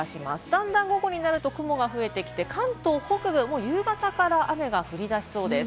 だんだん午後になると雲が増えて関東北部、夕方から雨が降りだしそうです。